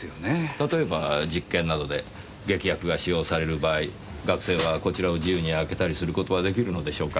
例えば実験などで劇薬が使用される場合学生はこちらを自由に開けたりする事はできるのでしょうか？